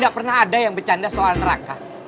tidak pernah ada yang bercanda soal neraka